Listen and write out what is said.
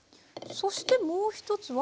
そしてもう一つは。